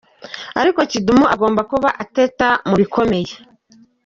Ariko Kidum agomba kuba ateta mu bikomeye.